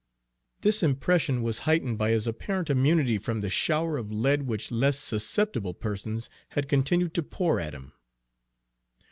This impression was heightened by his apparent immunity from the shower of lead which less susceptible persons had continued to pour at him.